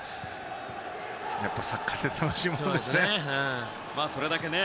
やっぱりサッカーって楽しいものですね。